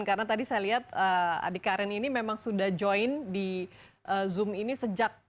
karena tadi saya lihat adik karen ini memang sudah join di zoom ini sejak